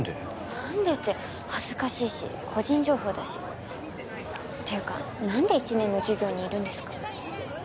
何でって恥ずかしいし個人情報だしていうか何で１年の授業にいるんですか？